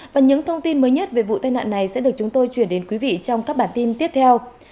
và những thông tin mới nhất về vụ tai nạn này sẽ được chúng tôi chuyển đến quý vị trong các bản tin tiếp theo